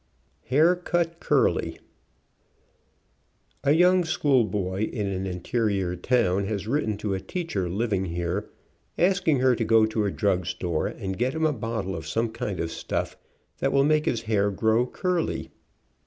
HAIR CUT CURLY. A young school boy in an interior town has written to a teacher living here, asking her to go to a drug store and get him a bottle of some kind of stuff that will make his hair grow curly.